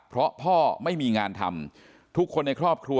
เพราะพ่อไม่มีงานทำ